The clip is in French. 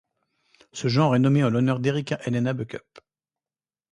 Ce genre est nommé en l'honneur d'Erica Helena Buckup.